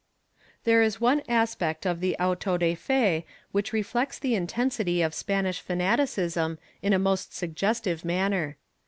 There is one aspect of the auto de fe which reflects the intensity of Spanish fanaticism in a most suggestive manner.